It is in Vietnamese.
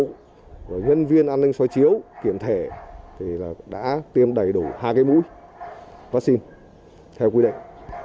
nhân viên an ninh xóa chiếu kiểm thể đã tiêm đầy đủ hai cái mũi vaccine theo quy định